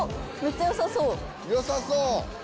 良さそう！